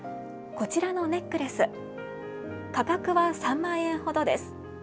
こちらのネックレス価格は３万円ほどです。